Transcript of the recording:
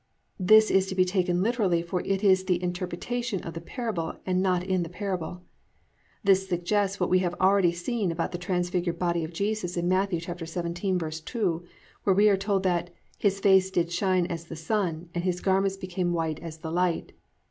"+ This is to be taken literally for it is in the interpretation of the parable and not in the parable. This suggests what we have already seen about the transfigured body of Jesus in Matt. 17:2, where we are told that +"His face did shine as the sun, and his garments became white as the light."